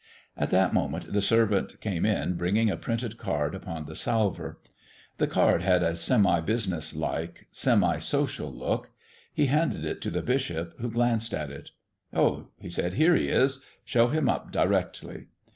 At that moment the servant came in bringing a printed card upon the salver. The card had a semibusiness like, semisocial look. He handed it to the bishop, who glanced at it. "Oh," he said, "here he is. Show him up directly."